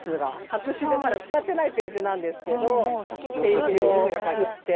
白紙でまだ使ってないページなんですけどページを作って。